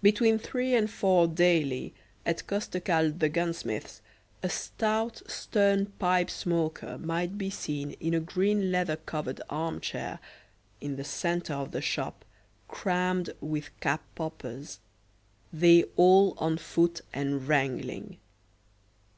Between three and four daily, at Costecalde the gunsmith's, a stout stern pipe smoker might be seen in a green leather covered arm chair in the centre of the shop crammed with cap poppers, they all on foot and wrangling.